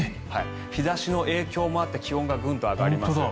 日差しの影響もあって気温がグンと上がります。